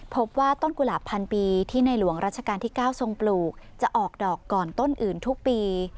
พบว่าต้นกุหลาบพันปีที่ในหลวงรัชกาลที่๙ทรงปลูกจะออกดอกก่อนต้นอื่นทุกปี